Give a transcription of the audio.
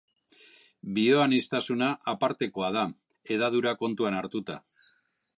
Bioaniztasuna apartekoa da, hedadura kontuan hartuta.